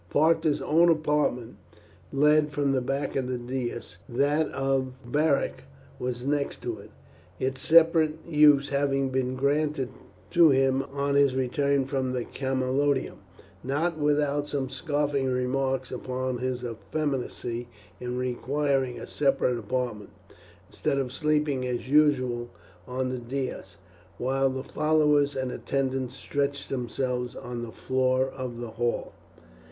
Parta's own apartment led from the back of the dais. That of Beric was next to it, its separate use having been granted to him on his return from Camalodunum, not without some scoffing remarks upon his effeminacy in requiring a separate apartment, instead of sleeping as usual on the dais; while the followers and attendants stretched themselves on the floor of the hall.